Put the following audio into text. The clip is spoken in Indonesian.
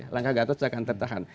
langkah gatot seakan tertahan